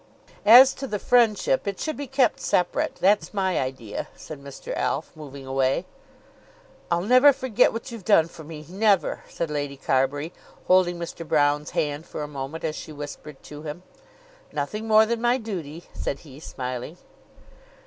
"As to the friendship, it should be kept separate. That's my idea," said Mr. Alf, moving away. "I'll never forget what you've done for me, never!" said Lady Carbury, holding Mr. Broune's hand for a moment, as she whispered to him. "Nothing more than my duty," said he, smiling.